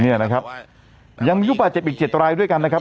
เนี่ยนะครับยังมีผู้บาดเจ็บอีกเจ็ดรายด้วยกันนะครับ